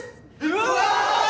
うわ！